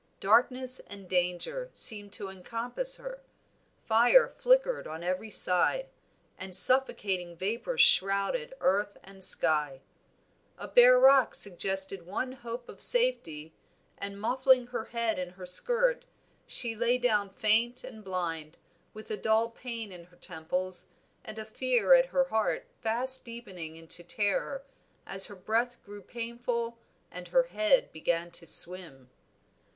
Darkness and danger seemed to encompass her, fire flickered on every side, and suffocating vapors shrouded earth and sky. A bare rock suggested one hope of safety, and muffling her head in her skirt, she lay down faint and blind, with a dull pain in her temples, and a fear at her heart fast deepening into terror, as her breath grew painful and her head began to swim.